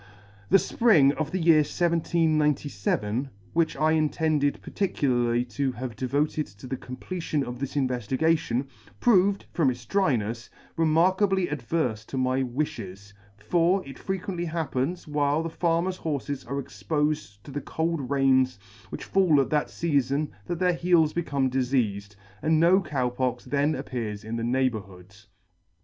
The fpring of the year 1797, which I intended particularly to have devoted to the completion of this inveftigation, proved, from its drynefs, remarkably adverfe to my wifhes ; for it frequently happens, while the farmers' horfes are expofed to the cold rains which fall at that feafon that their heels become difeafed, and no Cow Pox then appeared in the neighbourhood.